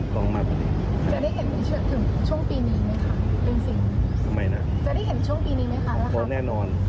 ทำไมน่ะพอแน่นอน